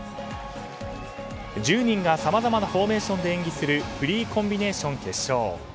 １０人がさまざまなフォーメーションで演技するフリーコンビネーション決勝。